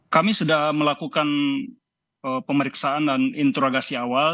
kami sudah melakukan pemeriksaan dan interogasi awal